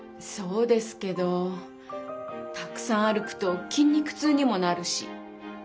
そうですけどたくさん歩くと筋肉痛にもなるし。